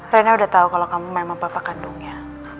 rena udah tau kalo kamu memang papa kandungnya